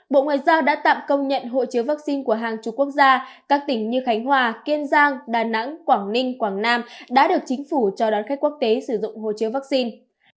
bộ ngoại giao đã tạm công nhận hộ chiếu vaccine của hàng chú quốc gia các tỉnh như khánh hòa kiên giang đà nẵng quảng ninh quảng nam đã được chính phủ cho đón khách quốc tế sử dụng hộ chiếu vaccine